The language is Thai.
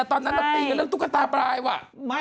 ตอนนั้นเราตีกันเรื่องตุ๊กตาปลายว่ะ